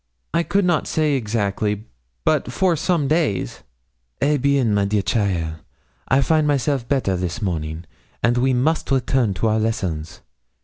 'I could not say exactly, but for some days.' 'Eh bien, my dear cheaile, I find myself better this morning, and we must return to our lessons.